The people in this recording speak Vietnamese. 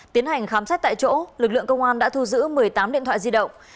tiến hành khám xét tại chỗ lực lượng công an đã thu giữ một mươi tám điện thoại di động